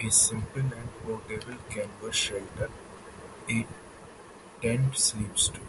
A simple and portable canvas shelter, a tent sleeps two.